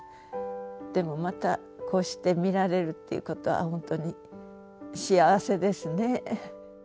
でもまたこうして見られるということは本当に幸せですね。